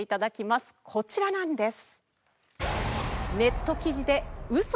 こちらなんです。